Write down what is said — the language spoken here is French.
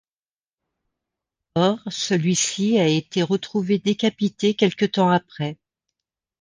Or, celui-ci a été retrouvé décapité quelque temps après.